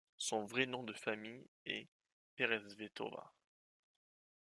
Son vrai nom de famille est Peresvetova.